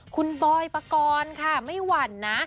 คุณบอยปกรณ์ค่ะไม่หวั่นนะ